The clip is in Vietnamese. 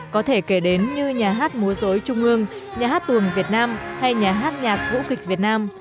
có thể kể đến như nhà hát múa dối trung ương nhà hát tuồng việt nam hay nhà hát nhạc vũ kịch việt nam